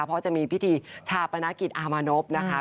เพราะจะมีพิธีชาปนกิจอามานพนะคะ